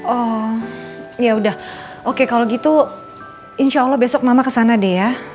oh ya udah oke kalau gitu insya allah besok mama kesana deh ya